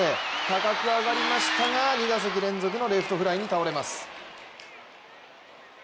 高く上がりましたが２打席連続のレフトフライに倒れます。